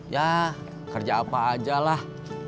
ya kerja apa aja lah